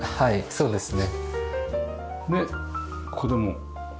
そうですね。